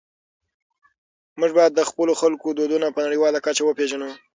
موږ باید د خپلو خلکو دودونه په نړيواله کچه وپېژنو.